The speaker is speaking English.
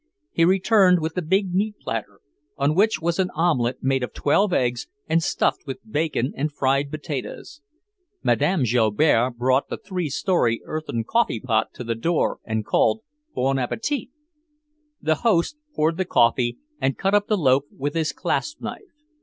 He returned with the big meat platter, on which was an omelette made of twelve eggs and stuffed with bacon and fried potatoes. Mme. Joubert brought the three story earthen coffee pot to the door and called, "Bon appetit!" The host poured the coffee and cut up the loaf with his clasp knife.